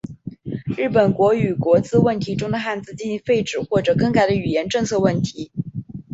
日本国语国字问题中的汉字进行废止或者更改的语言政策问题。